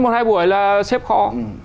một hai buổi là xếp kho